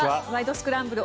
スクランブル」